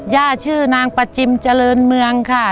ชื่อนางประจิมเจริญเมืองค่ะ